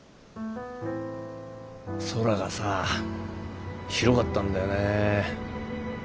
空がさ広かったんだよね。